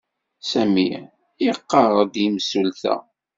Sami iqarr-d i yimsulta.